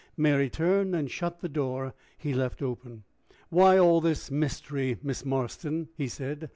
Mary turned and shut the door he left open. "Why all this mystery, Miss Marston?" he said.